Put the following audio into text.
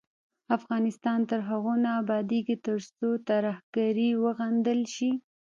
افغانستان تر هغو نه ابادیږي، ترڅو ترهګري وغندل شي.